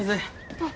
あっ。